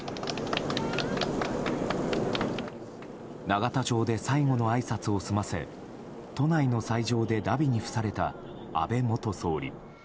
永田町で最後のあいさつを済ませ都内の斎場で、だびに付された安倍元総理。